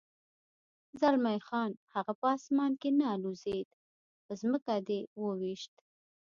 زلمی خان: هغه په اسمان کې نه الوزېد، پر ځمکه دې و وېشت.